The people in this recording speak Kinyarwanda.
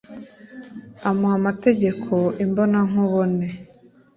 amuha amategeko imbonankubone